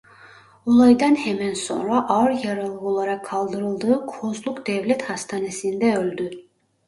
Olaydan hemen sonra ağır yaralı olarak kaldırıldığı Kozluk Devlet Hastanesi'nde öldü.